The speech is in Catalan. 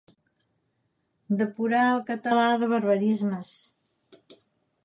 Depurar el català de barbarismes.